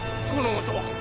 この音は！？